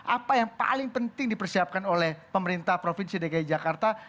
apa yang paling penting dipersiapkan oleh pemerintah provinsi dki jakarta